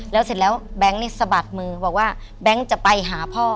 แล้วเสร็จแล้วแบงค์นี่สะบัดมือบอกว่าแบงค์จะไปหาพ่อ